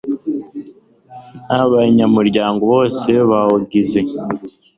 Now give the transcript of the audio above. n abanyamuryango bose bawugize